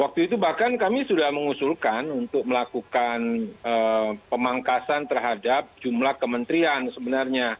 waktu itu bahkan kami sudah mengusulkan untuk melakukan pemangkasan terhadap jumlah kementerian sebenarnya